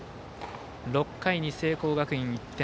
６回に聖光学院、１点。